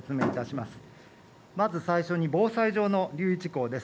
まず最初に防災上の留意事項です。